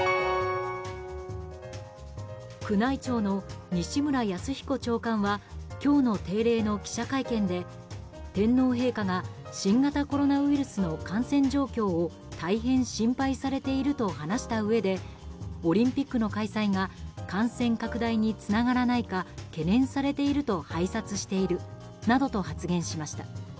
宮内庁の西村泰彦長官は今日の定例の記者会見で天皇陛下が新型コロナウイルスの感染状況を大変心配されていると話したうえでオリンピックの開催が感染拡大につながらないか懸念されていると拝察しているなどと発言しました。